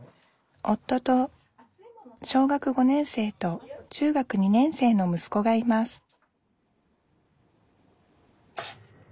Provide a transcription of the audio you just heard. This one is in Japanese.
夫と小学５年生と中学２年生のむすこがいます